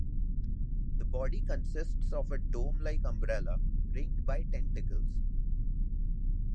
The body consists of a dome-like umbrella ringed by tentacles.